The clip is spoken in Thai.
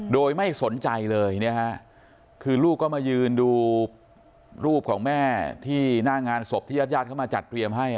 โดยไม่สนใจเลยนะฮะคือลูกก็มายืนดูรูปของแม่ที่หน้างานศพที่ญาติญาติเข้ามาจัดเตรียมให้